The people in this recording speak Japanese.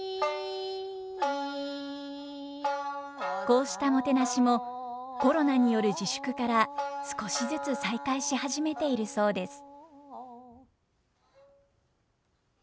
こうしたもてなしもコロナによる自粛から少しずつ再開し始めているそうです。